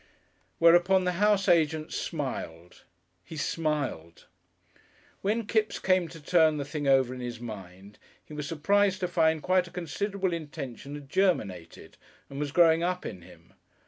Whereupon the house agent smiled. He smiled! When Kipps came to turn the thing over in his mind he was surprised to find quite a considerable intention had germinated and was growing up in him.